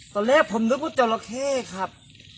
สมนุษย์ผมนึกว่าจระแค่ครับ